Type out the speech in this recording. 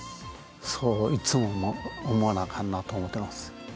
そういつも思わなあかんなと思ってます。